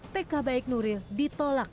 pk baik nuril ditolak